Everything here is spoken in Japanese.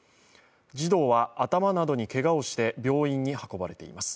児童は頭などにけがをして病院に運ばれています。